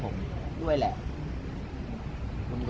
พี่พอแล้วพี่พอแล้ว